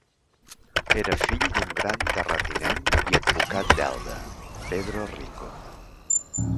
Era fill d'un gran terratinent i advocat d'Elda, Pedro Rico.